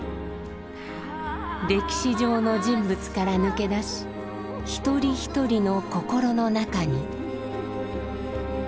歴史上の人物から抜け出し一人一人の心の中に。